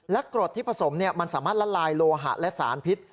และกรดที่ผสมมันสามารถละลายโลหะและสารพิษ